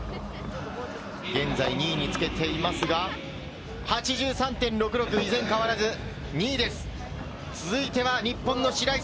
現在２位につけていますが、８３．６６、依然変わらず２位です。